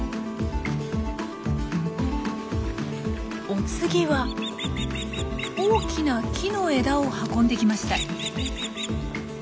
お次は大きな木の枝を運んできました。